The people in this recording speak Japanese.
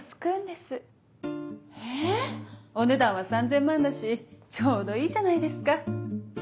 お値段は３０００万だしちょうどいいじゃないですか。